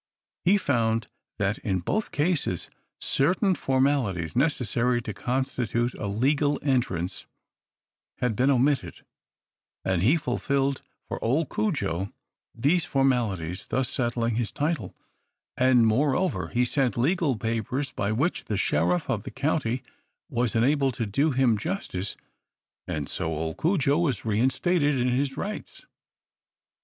He found, that, in both cases, certain formalities necessary to constitute a legal entrance had been omitted; and he fulfilled for old Cudjo these formalities, thus settling his title; and, moreover, he sent legal papers by which the sheriff of the county was enabled to do him justice: and so old Cudjo was re instated in his rights.